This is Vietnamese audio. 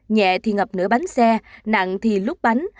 nhẹ thì ngập nửa bánh xe nặng thì lúc bánh